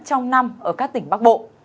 trong năm ở các tỉnh bắc bộ